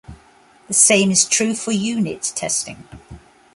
The same is true for unit testing.